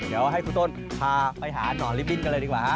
เดี๋ยวให้คุณต้นพาไปหานอนลิบบิ้นกันเลยดีกว่าฮะ